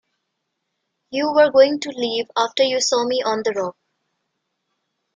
You were going to leave after you saw me on the rock.